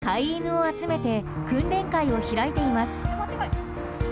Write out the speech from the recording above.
週に１回、飼い犬を集めて訓練会を開いています。